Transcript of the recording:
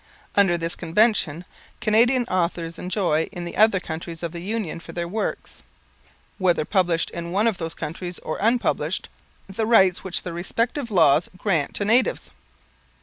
Under this Convention Canadian authors enjoy in the other countries of the Union for their works whether published in one of those countries or unpublished the rights which the respective laws grant to natives.